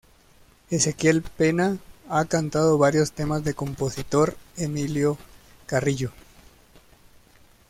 Ezequiel Pena ha cantado varios temas de Compositor Emilio Carrillo.